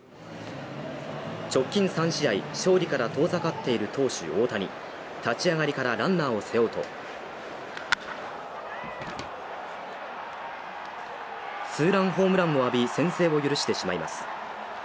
直近３試合勝利から遠ざかっている投手・大谷立ち上がりからランナーを背負うと、ツーランホームランを浴び先制を許してしまいます。